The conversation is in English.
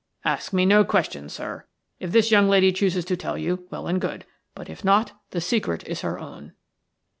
Ask me no questions, sir. If this young lady chooses to tell you, well and good, but if not the secret is her own."